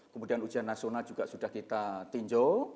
kemudian ujian nasional juga sudah kita tinjau